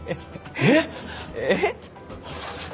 えっ？えっ？